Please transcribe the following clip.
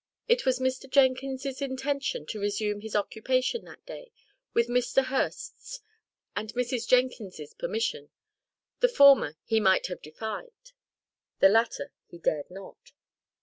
It was Mr. Jenkins's intention to resume his occupation that day, with Mr. Hurst's and Mrs. Jenkins's permission: the former he might have defied; the latter he dared not.